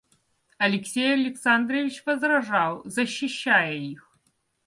Алексей Александрович возражал, защищая их.